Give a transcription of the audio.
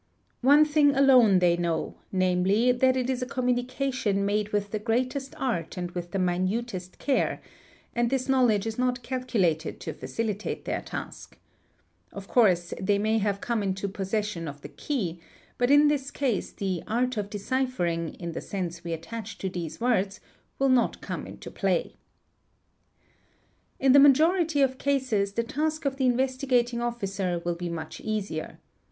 One thing alone they know, namely, iat it is a communication made with the greatest art and with the inutest care—and this knowledge is not calculated to facilitate their y Of course they may have come into possession of the key, but in 75 594 CIPHERS this case the "art of deciphering"' in the sense we attach to these words will not come into play. | In the majority of cases the task of the Investigating Officer will be — much easier.